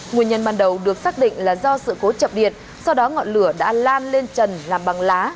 nguyên nhân ban đầu được xác định là do sự cố chập điện sau đó ngọn lửa đã lan lên trần làm bằng lá